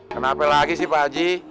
kenapa lagi sih pak haji